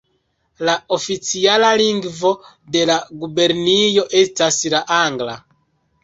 La oficiala lingvo de la gubernio estas la angla.